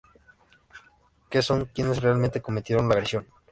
que son quienes realmente cometieron la agresión